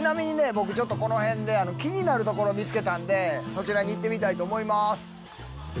僕ちょっとこの辺で気になる所見つけたんでそちらに行ってみたいと思います。